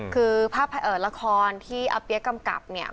คือภาพละครที่อาเปี๊ยกกำกับเนี่ย